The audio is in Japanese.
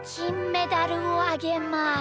メダルをあげます。